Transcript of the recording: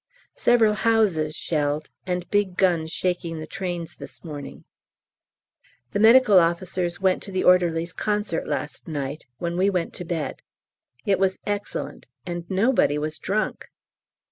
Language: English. Several houses shelled, and big guns shaking the train this morning. The M.O.'s went to the Orderlies' Concert last night, when we went to bed. It was excellent, and nobody was drunk!